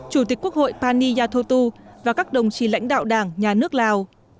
chủ tịch quốc hội pani yathotu và các đồng chí lãnh đạo đảng nhà nước lào